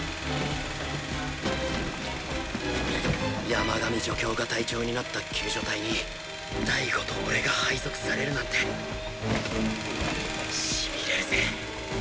山上助教が隊長になった救助隊に大吾と俺が配属されるなんてシビれるぜ